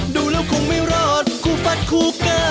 ดูแล้วคงไม่รอดคู่ฟัดคู่เกอร์